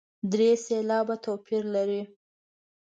درې سېلابه توپیر لري.